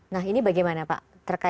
nah ini bagaimana pak